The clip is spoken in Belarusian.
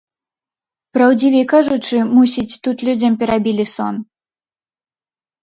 Праўдзівей кажучы, мусіць, тут людзям перабілі сон.